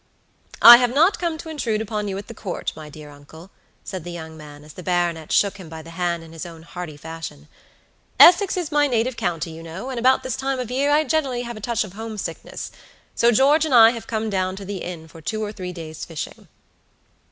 "I have not come to intrude upon you at the Court, my dear uncle," said the young man, as the baronet shook him by the hand in his own hearty fashion. "Essex is my native county, you know, and about this time of year I generally have a touch of homesickness; so George and I have come down to the inn for two or three day's fishing."